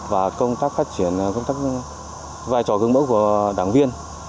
và công tác phát triển vai trò gương mẫu của đảng viên